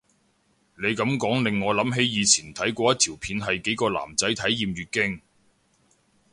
你噉講令我諗起以前睇過一條片係幾個男仔體驗月經